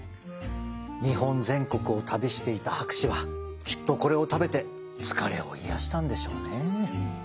日本全国を旅していた博士はきっとこれを食べて疲れを癒やしたんでしょうね。